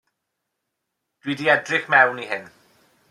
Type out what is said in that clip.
Dw i 'di edrych mewn i hyn.